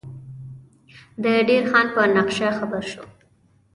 د دیر خان په نقشه خبر شو.